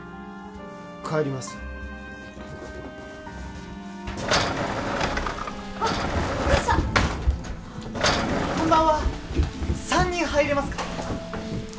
帰りますあっ傘こんばんは３人入れますか？